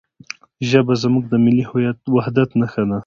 ژبه زموږ د ملي وحدت نښه ده.